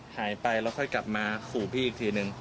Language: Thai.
หายไปแล้วค่อยกลับมาขู่พี่อีกทีนึง